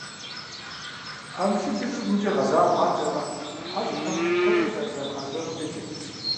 Къамышыкӏыр щӏыбымкӏэ гъэзауэ фӀэдзамэ, хьэщӀэхэм куэдрэ зэрызамыӏэжьэнур къикӏырт.